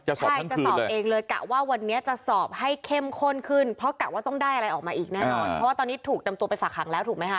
ใช่จะสอบเองเลยกะว่าวันนี้จะสอบให้เข้มข้นขึ้นเพราะกะว่าต้องได้อะไรออกมาอีกแน่นอนเพราะว่าตอนนี้ถูกนำตัวไปฝากหางแล้วถูกไหมคะ